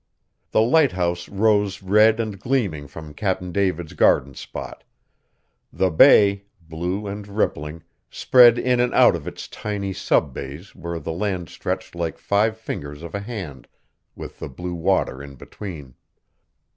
The lighthouse rose red and gleaming from Cap'n David's garden spot; the bay, blue and rippling, spread in and out of its tiny sub bays where the land stretched like five fingers of a hand, with the blue water in between.